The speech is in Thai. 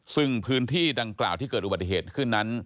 ซึ่งพื้นที่ดังกล่าวที่เกิดอุบัติเหตุขึ้นนั้น